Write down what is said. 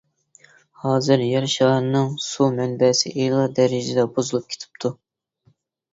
ھازىر يەر شارىنىڭ سۇ مەنبەسى ئېغىر دەرىجىدە بۇزۇلۇپ كېتىپتۇ.